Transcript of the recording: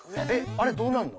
あれどうなるの？